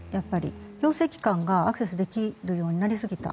行政機関がアクセスできるようになりすぎた。